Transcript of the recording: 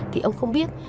thì ông không biết